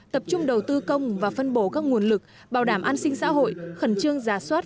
tập trung đầu tư công và phân bổ các nguồn lực bảo đảm an sinh xã hội khẩn trương giả soát